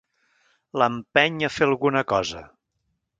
L'empeny a fer alguna cosa.